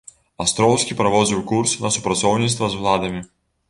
Астроўскі праводзіў курс на супрацоўніцтва з уладамі.